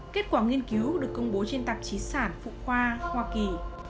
kết quả nghiên cứu được công bố trên tạp chí sản phụ khoa hoa kỳ